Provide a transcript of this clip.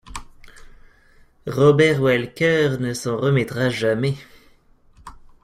Robert Walker ne s'en remettra jamais.